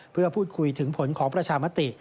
เพื่อพูดคุยถึงผลของประชามติ